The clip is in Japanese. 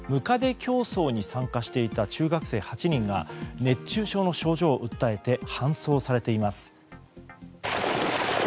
競走に参加していた中学生８人が熱中症の症状を訴えて搬送されています。